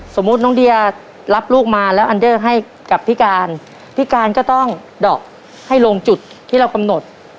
สมมุติน้องเดียรับลูกมาแล้วอันเดอร์ให้กับพี่การพี่การก็ต้องดอกให้ลงจุดที่เรากำหนด